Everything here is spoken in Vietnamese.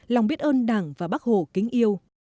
lòng biết ơn đảng và bác hồ kính yêu